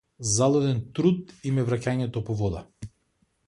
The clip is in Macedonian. Залуден труд им е враќањето по вода.